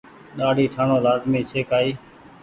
ڏآڙي ٺآڻو لآزمي ڇي۔ ڪآئي۔